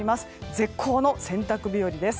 絶好の洗濯日和です。